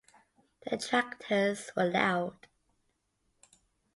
The tractors were loud.